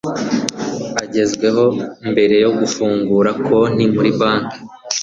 agezweho mbere yo gufungura konti muri banki